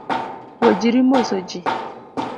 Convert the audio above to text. Puojri moso ji